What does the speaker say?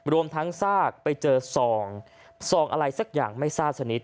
รวมทั้งซากไปเจอซองซองอะไรสักอย่างไม่ทราบชนิด